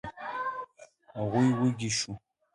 هغوی وږي شوو.